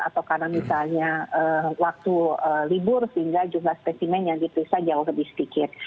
atau karena misalnya waktu libur sehingga jumlah spesimen yang diperiksa jauh lebih sedikit